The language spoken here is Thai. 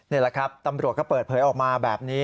นี่แหละครับตำรวจก็เปิดเผยออกมาแบบนี้